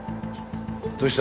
どうした？